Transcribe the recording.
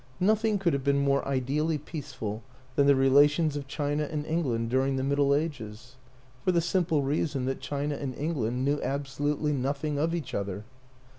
Nothing could have been more ideally peaceful than the relations of China and England during the Mid dle Ages for the simple reason that China and England knew absolutely nothing of each other.